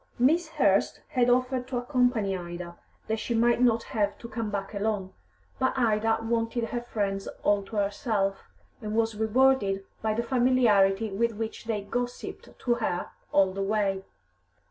Miss Hurst had offered to accompany Ida, that she might not have to come back alone, but Ida wanted her friends all to herself, and was rewarded by the familiarity with which they gossipped to her all the way.